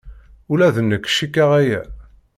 Ula d nekk cikkeɣ aya.